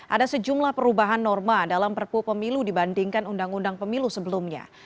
ada sejumlah perubahan norma dalam perpu pemilu dibandingkan undang undang pemilu sebelumnya